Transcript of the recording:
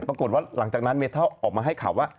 ปรากฏว่าหลังจากนั้นเมทัลออกมาให้ข่าวว่า